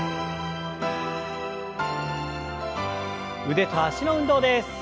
腕と脚の運動です。